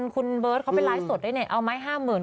คุณเบิร์ตเขาไปไลฟ์สดได้ไหนเอาไม้ห้ามหมื่น